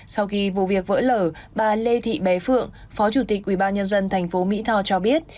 sau khi vụ việc vỡ lở bà lê thị bé phượng phó chủ tịch ubnd tp mỹ tho cho biết